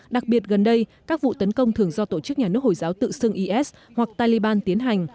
đặc biệt gần đây các vụ tấn công thường do tổ chức nhà nước hồi giáo tự xưng is hoặc taliban tiến hành